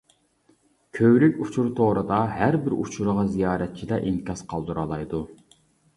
كۆۋرۈك ئۇچۇر تورىدا ھەر بىر ئۇچۇرغا زىيارەتچىلەر ئىنكاس قالدۇرالايدۇ.